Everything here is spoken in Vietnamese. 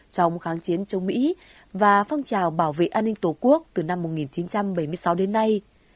trong kháng chiến chống mỹ và phong trào bảo vệ an ninh tổ quốc từ năm một nghìn chín trăm bảy mươi sáu đến nay